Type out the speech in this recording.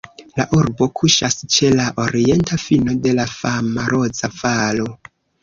La urbo kuŝas ĉe la orienta fino de la fama Roza Valo.